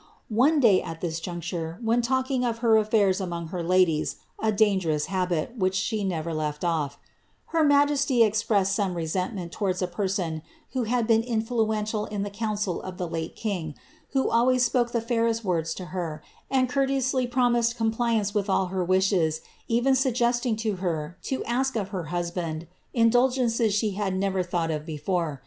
One day, at this June ture, when talking of her af&irs among her ladies — a dangerous habit| which she never leA oflP— her majesty expressed some resentment V> wards a person who had been influential in the council of the late king, who always spoke the fairest words to her, and courteously promised compliance with all her wishes, even suggesting to her to ask of her husband indulgences she had never thought of before.